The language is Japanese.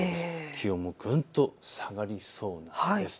気温もぐんと下がりそうです。